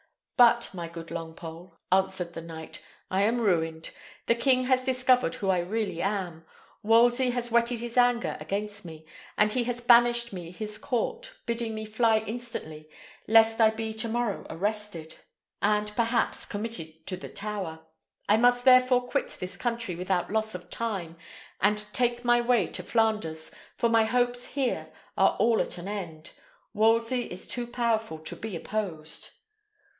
"But, my good Longpole," answered the knight, "I am ruined. The king has discovered who I really am; Wolsey has whetted his anger against me, and he has banished me his court, bidding me fly instantly, lest I be to morrow arrested, and perhaps committed to the Tower. I must therefore quit this country without loss of time, and take my way to Flanders, for my hopes here are all at an end. Wolsey is too powerful to be opposed."